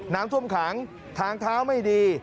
น้ำท่วมขังทางเท้าไม่ดี